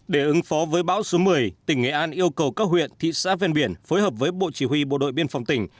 để ứng phó với bão số một mươi tỉnh nghệ an yêu cầu các huyện thị xã ven biển phối hợp với bộ chỉ huy bộ đội biên phòng tỉnh